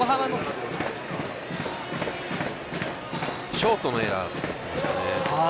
ショートのエラーですね。